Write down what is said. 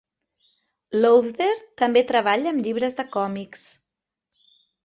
Lowder també treballa amb llibres de còmics.